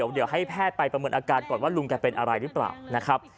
เดี๋ยวให้แพทย์ไปประเมินอาการก่อนว่าลุงแกเป็นอะไรหรือเปล่านะครับ